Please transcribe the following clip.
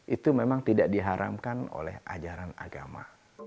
itu memang tidak diharamkan oleh ajaran agama